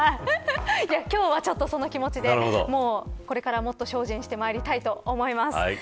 今日は、その気持ちでこれから、もっと精進してまいりたいと思います。